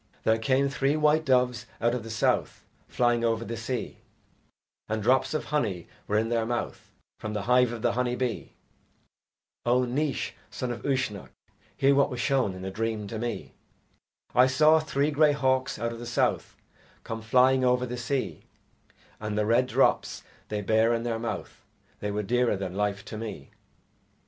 There came three white doves out of the South Flying over the sea, And drops of honey were in their mouth From the hive of the honey bee. O Naois, son of Uisnech, hear What was shown in a dream to me. I saw three grey hawks out of the South Come flying over the sea, And the red drops they bare in their mouth They were dearer than life to me.